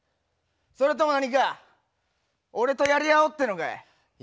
それとも何か俺とやり合おうってのかい。